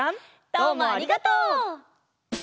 どうもありがとう！